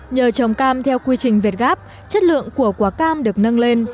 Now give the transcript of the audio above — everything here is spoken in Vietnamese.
nhờ trồng cam theo quy trình việt gáp chất lượng của quả cam được nâng lên